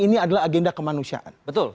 ini adalah agenda kemanusiaan betul